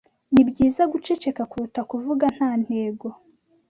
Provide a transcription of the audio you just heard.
Nibyiza guceceka, kuruta kuvuga nta ntego.